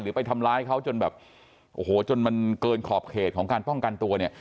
ไปทำร้ายเขาจนแบบโอ้โหจนมันเกินขอบเขตของการป้องกันตัวเนี่ย